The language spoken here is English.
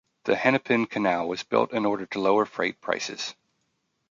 The Hennepin Canal was built in order to lower freight prices.